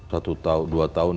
satu tahun dua tahun